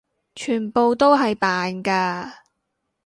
全部都係扮㗎！